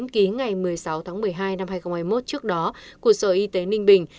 ký ngày một mươi sáu tháng một mươi hai năm hai nghìn hai mươi một trước đó của sở y tế ninh bình